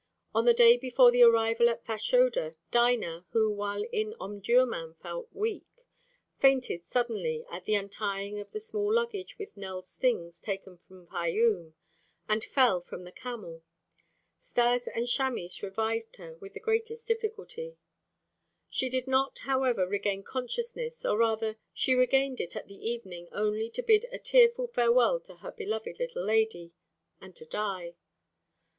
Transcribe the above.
On the day before the arrival at Fashoda, Dinah, who while in Omdurmân felt weak, fainted suddenly at the untying of the small luggage with Nell's things taken from Fayûm, and fell from the camel. Stas and Chamis revived her with the greatest difficulty. She did not, however, regain consciousness, or rather she regained it at the evening only to bid a tearful farewell to her beloved little lady, and to die.